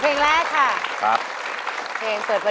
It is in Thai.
เปลี่ยนเพลงเก่งของคุณและข้ามผิดได้๑คำ